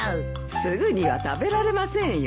すぐには食べられませんよ。